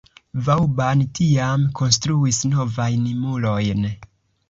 Vauban tiam konstruis novajn murojn.